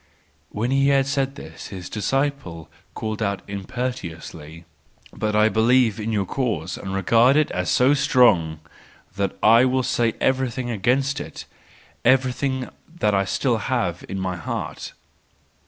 —When he had said this, his disciple called out impetuously: "But I believe in your cause, and regard it as so strong that I will say everything against it, everything that I still have in my heart."